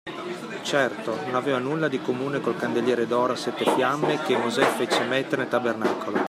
Certo, non aveva nulla di comune col candeliere d’oro a sette fiamme, che Mosè fece mettere nel Tabernacolo.